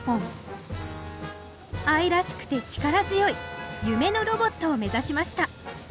愛らしくて力強い夢のロボットを目指しました。